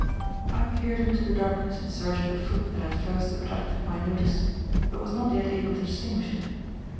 I peered into the darkness in search of the foot that had first attracted my notice, but was not yet able to distinguish it.